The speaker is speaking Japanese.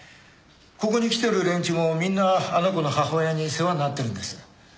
ここに来てる連中もみんなあの子の母親に世話になってるんです。